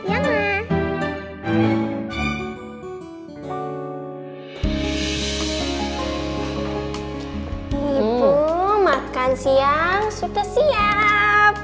ibu makan siang sudah siap